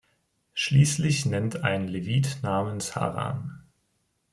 Schließlich nennt einen Levit namens Haran.